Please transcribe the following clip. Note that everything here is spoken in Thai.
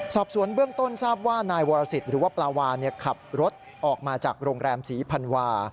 สอบสวนเบื้องต้นทราบว่านายวรสิทธิ์หรือว่าปลาวานขับรถออกมาจากโรงแรมศรีพันวา